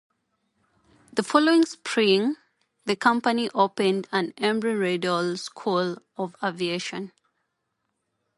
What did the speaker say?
The following spring, the company opened the Embry-Riddle School of Aviation.